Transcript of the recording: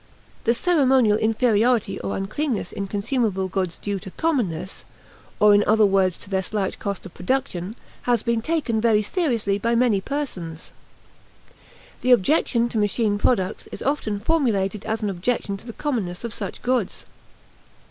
The ceremonial inferiority or uncleanness in consumable goods due to "commonness," or in other words to their slight cost of production, has been taken very seriously by many persons. The objection to machine products is often formulated as an objection to the commonness of such goods.